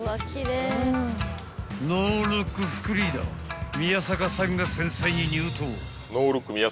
［ノールック副リーダー宮坂さんが繊細に入刀］